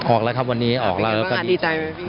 ออกแล้วครับวันนี้ออกแล้วแล้วก็ดีดีใจไหมพี่บิน